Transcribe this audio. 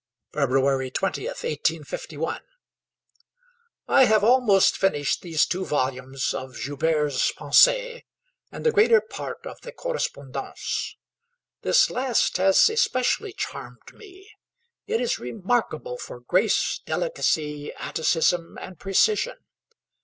February 20th, 1851. I have almost finished these two volumes of [Joubert's] 'Pensées' and the greater part of the 'Correspondance.' This last has especially charmed me; it is remarkable for grace, delicacy, atticism, and precision.